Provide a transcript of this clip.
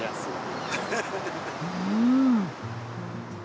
うん。